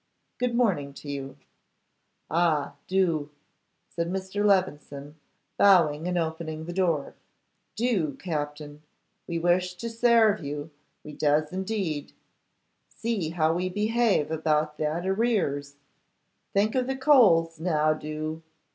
Good morning to you.' 'Ah, do!' said Mr. Levison, bowing and opening the door, 'do, Captin; we wish to sarve you, we does indeed. See how we behave about that arrears. Think of the coals; now do.